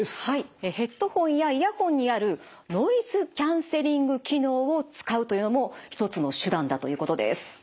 ヘッドホンやイヤホンにあるノイズキャンセリング機能を使うというのも一つの手段だということです。